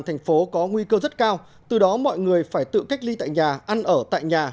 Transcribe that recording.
thành phố có nguy cơ rất cao từ đó mọi người phải tự cách ly tại nhà ăn ở tại nhà